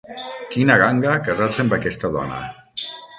Quina ganga, casar-se amb aquesta dona!